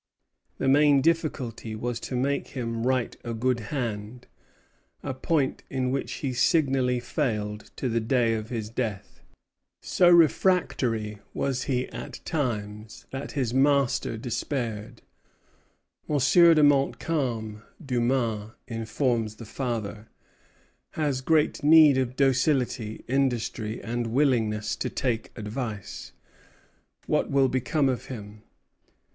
The main difficulty was to make him write a good hand, a point in which he signally failed to the day of his death. So refractory was he at times, that his master despaired. "M. de Montcalm," Dumas informs the father, "has great need of docility, industry, and willingness to take advice. What will become of him?"